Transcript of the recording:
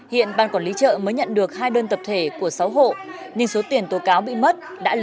hiện ban quản lý chợ mới nhận được hai đơn tập thể của sáu hộ nhưng số tiền tố cáo bị mất